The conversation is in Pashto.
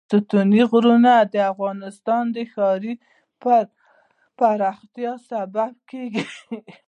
ستوني غرونه د افغانستان د ښاري پراختیا سبب کېږي.